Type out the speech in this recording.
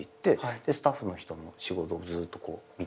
でスタッフの人の仕事ずっと見てて。